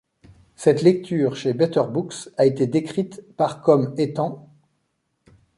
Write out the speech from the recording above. Cette lecture chez Better Books a été décrite par comme étant '.